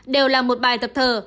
đều là một bài tập thở